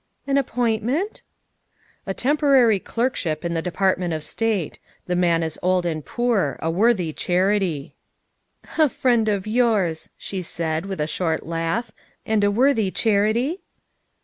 " An appointment?" " A temporary clerkship in the Department of State. The man is old and poor. A worthy charity." "A friend of yours," she said with a short laugh, " and a worthy charity?"